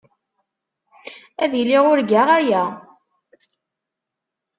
Ad iliɣ urgaɣ aya.